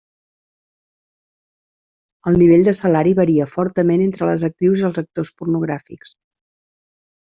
El nivell de salari varia fortament entre les actrius i els actors pornogràfics.